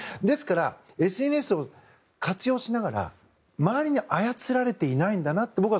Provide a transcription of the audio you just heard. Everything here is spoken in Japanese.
ですから、ＳＮＳを活用しながら周りに操られていないんだなって